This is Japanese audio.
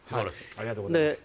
ありがとうございます。